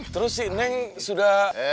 terus si neng sudah